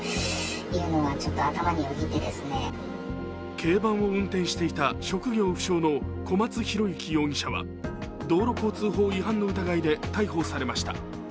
軽バンを運転していた職業不詳の小松広行容疑者は道路交通法違反の疑いで逮捕されました。